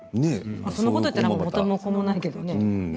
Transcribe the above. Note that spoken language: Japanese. そんなこと言ったら元も子もないけれど。